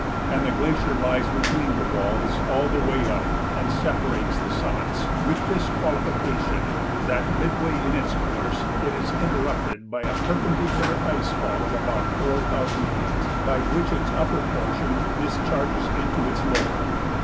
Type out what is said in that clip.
And the glacier lies between the walls all the way up and separates the summits, with this qualification that midway in its course it is interrupted by a perpendicular ice fall of about four thousand feet by which its upper portion discharges into its lower.